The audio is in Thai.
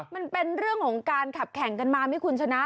มันเป็นเรื่องของการขับแข่งกันมาไหมคุณชนะ